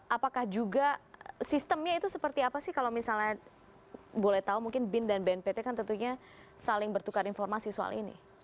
apakah juga sistemnya itu seperti apa sih kalau misalnya boleh tahu mungkin bin dan bnpt kan tentunya saling bertukar informasi soal ini